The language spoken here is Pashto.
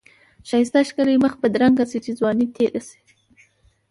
ښایسته ښکلی مخ بدرنګ شی چی ځوانی تیره شی.